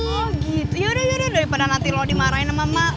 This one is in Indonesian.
oh gitu ya udah ya udah daripada nanti lo dimarahin sama mak